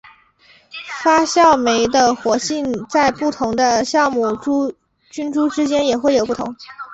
发酵酶的活性在不同的酵母菌株之间也会有不同。